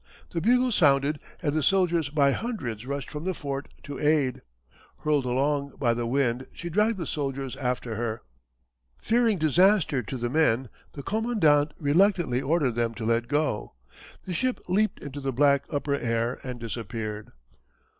The bugles sounded and the soldiers by hundreds rushed from the fort to aid. Hurled along by the wind she dragged the soldiers after her. Fearing disaster to the men the commandant reluctantly ordered them to let go. The ship leaped into the black upper air and disappeared.